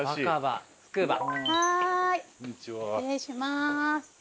はい失礼します。